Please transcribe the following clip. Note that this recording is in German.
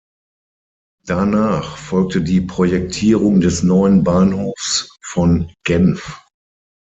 Danach folgte die Projektierung des neuen Bahnhofs von Genf.